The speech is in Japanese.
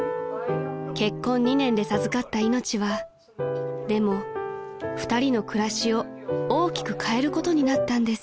［結婚２年で授かった命はでも２人の暮らしを大きく変えることになったんです］